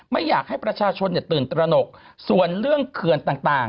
ไม่อยากให้ประชาชนตื่นตระหนกส่วนเรื่องเขื่อนต่าง